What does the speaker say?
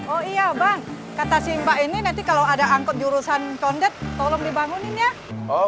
oh iya bang kata simba ini nanti kalau ada angkot jurusan condet tolong dibangunin ya oh